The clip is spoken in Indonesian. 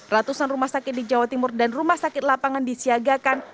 ratusan rumah sakit di jawa timur dan rumah sakit lapangan disiagakan